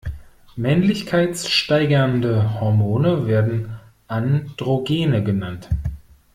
Männlichkeitssteigernde Hormone werden Androgene genannt.